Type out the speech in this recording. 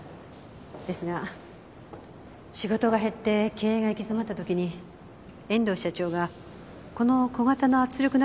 ですが仕事が減って経営が行き詰まった時に遠藤社長がこの小型の圧力鍋を開発したんです。